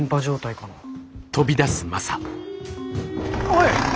おい。